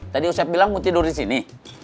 tadi ustaz bilang mau tidur disini